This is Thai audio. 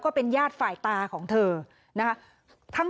ก็ปิดแล้วไม่ใช่เหรอเนี่ย